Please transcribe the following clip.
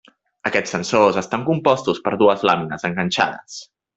Aquests sensors estan compostos per dues làmines enganxades.